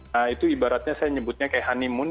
nah itu ibaratnya saya nyebutnya kayak honeymoon